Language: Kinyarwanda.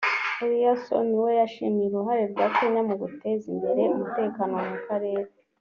Eliasson we yashimiye uruhare rwa Kenya mu guteza imbere umutekano mu karere